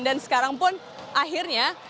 dan sekarang pun akhirnya